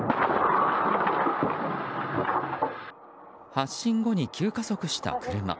発進後に急加速した車。